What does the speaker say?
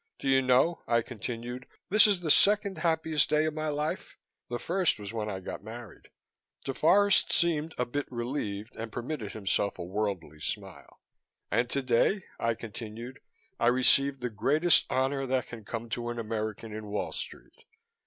"Do you know," I continued, "this is the second happiest day of my life. The first was when I got married." DeForest seemed a bit relieved and permitted himself a worldly smile. "And today," I continued, "I received the greatest honor that can come to an American in Wall Street.